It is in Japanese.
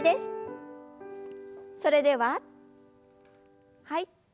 それでははい。